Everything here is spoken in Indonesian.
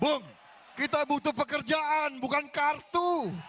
bung kita butuh pekerjaan bukan kartu